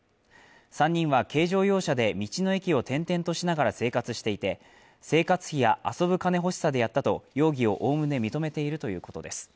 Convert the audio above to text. ３人は軽乗用車で道の駅を転々としながら生活していて、生活費や遊ぶ金欲しさでやったと容疑をおおむね認めているということです。